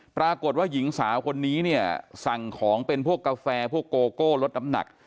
ปรากฏว่าหญิงสาวคนนี้เนี่ยสั่งของเป็นพวกกาแฟพวกโกโก้ลดน้ำหนัก